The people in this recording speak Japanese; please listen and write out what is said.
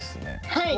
はい。